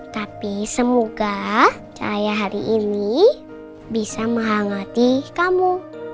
tapi semoga saya hari ini bisa menghangati kamu